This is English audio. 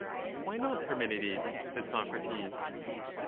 Why not, Parmenides ? said Socrates.